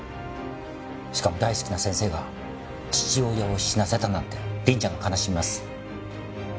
しかも大好きな先生が父親を死なせたなんて凛ちゃんが悲しみます。